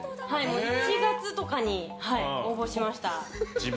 １月とかに応募しました。